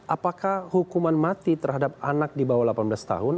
apakah hukuman mati terhadap anak di bawah delapan belas tahun